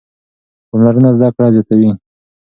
پاملرنه زده کړه زیاتوي.